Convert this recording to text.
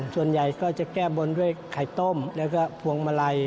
ส่วนใหญ่ก็จะแก้บนด้วยไข่ต้มแล้วก็พวงมาลัย